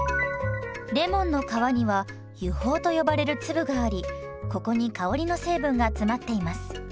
レモンの皮には油胞と呼ばれる粒がありここに香りの成分が詰まっています。